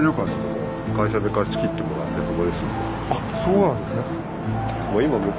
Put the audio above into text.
あっそうなんですね。